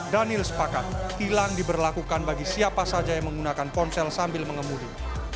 daniel sepakat tilang diberlakukan bagi siapa saja yang menggunakan ponsel sambil mengemudi